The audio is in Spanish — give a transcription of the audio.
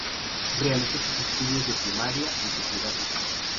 Realizó sus estudios de primaria en su ciudad natal.